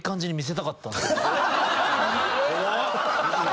怖っ！